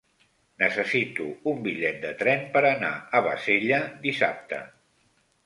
Necessito un bitllet de tren per anar a Bassella dissabte.